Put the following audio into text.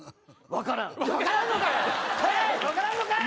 分からんのかい！